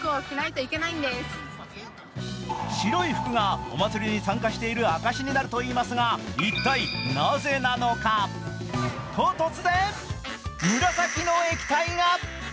白い服がお祭りに参加している証になるといいますが、一体なぜなのか。と突然、紫の液体が。